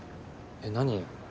えっ何？